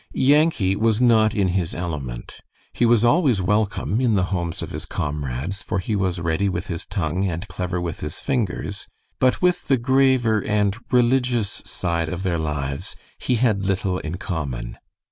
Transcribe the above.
Yankee was not in his element. He was always welcome in the homes of his comrades, for he was ready with his tongue and clever with his fingers, but with the graver and religious side of their lives he had little in common.